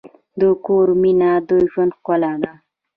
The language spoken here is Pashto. د کور مینه د ژوند ښکلا ده.